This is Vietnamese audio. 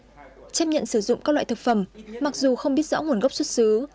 chấp nhận sử dụng các loại thực phẩm mặc dù không biết rõ nguồn gốc xuất xứ